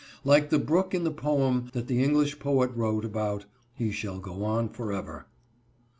Like the brook in the poem that the English poet wrote about, he shall go on forever.